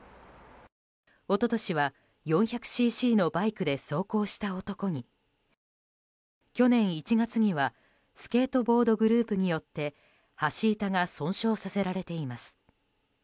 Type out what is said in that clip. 一昨年は４００ｃｃのバイクで走行した男に去年１月にはスケートボードグループによって橋板が損傷させられています。